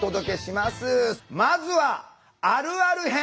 まずは「あるある編」。